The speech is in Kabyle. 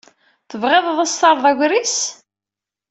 Tebɣiḍ ad as-terreḍ agris?